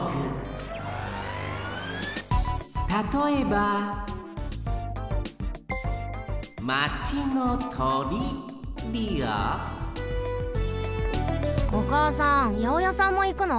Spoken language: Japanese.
たとえばおかあさんやおやさんもいくの？